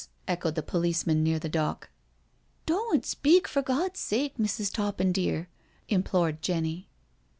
" echoed the policeman near the dock. " Doan*t speak, for God's sake, Mrs. Toppin, dear," implored Jenny.